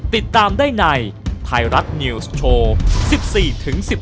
ติดตามได้ในไทรัตนิวส์โชว์๑๔๑๘พฤศจิกายนี้